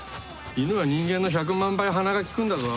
犬は人間の１００万倍鼻が利くんだぞ。